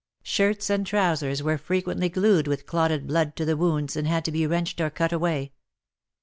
Shirts and trousers were frequently glued with clotted blood to the wounds, and had to be wrenched or cut away.